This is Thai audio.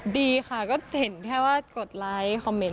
ดีค่ะก็เห็นแค่ว่ากดไลค์คอมเมนต์